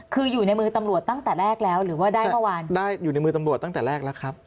คืออยู่ในมือตำรวจตั้งแต่แรกแล้วหรือว่าได้เมื่อวานได้อยู่ในมือตำรวจตั้งแต่แรกแล้วครับ